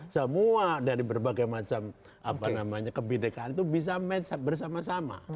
semua dari berbagai macam kebinekaan itu bisa match bersama sama